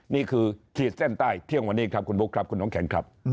ขีดเส้นใต้เที่ยงวันนี้ครับคุณบุ๊คครับคุณน้องแข็งครับ